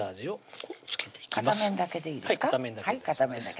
片面だけでいいですか？